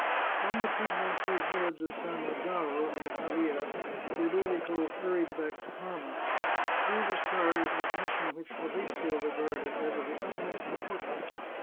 From the Piedmontese village of Sannazaro, near Pavia, Ludovico hurried back to Parma. He was charged with a mission which Fabrizio regarded as of the utmost impor tance.